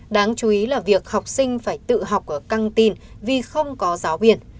đáng chú ý là việc học sinh phải tự học ở căng tin vì không có giáo viên